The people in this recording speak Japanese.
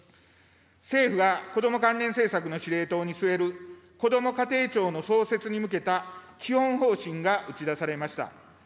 政府が、こども関連政策の司令塔に据えるこども家庭庁の創設に向けた基本方針が打ち出されました。